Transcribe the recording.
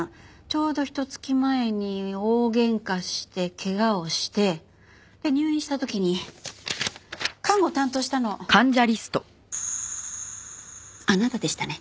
ちょうどひと月前に大喧嘩して怪我をして入院した時に看護を担当したのあなたでしたね。